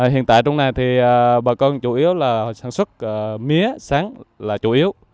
hiện tại trong này thì bà con chủ yếu là sản xuất mía sáng là chủ yếu